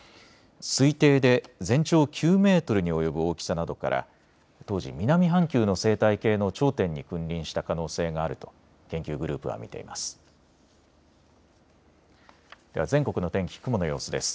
推定で全長９メートルに及ぶ大きさなどから当時、南半球の生態系の頂点に君臨した可能性があると研究グループは見ています。